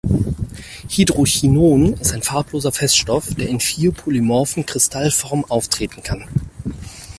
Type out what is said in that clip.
Hydrochinon ist ein farbloser Feststoff, der in vier polymorphen Kristallformen auftreten kann.